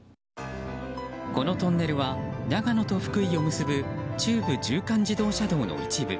このトンネルは長野と福井を結ぶ中部縦貫自動車道の一部。